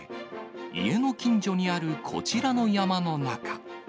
家の近所にあるこちらの山の中。